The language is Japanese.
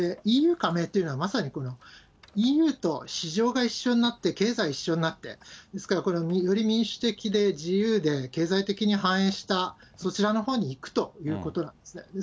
ＥＵ加盟っていうのはまさに、ＥＵと市場が一緒になって、経済一緒になって、ですから、これはより民主的で自由で、経済的に繁栄した、そちらのほうに行くということなんですね。